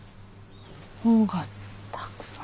本がたくさん。